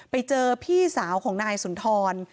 ไปเจอพี่สาวของนายสุนทร